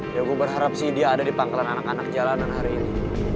ya gue berharap sih dia ada di pangkalan anak anak jalanan hari ini